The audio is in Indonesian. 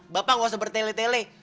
bapak nggak usah bertele tele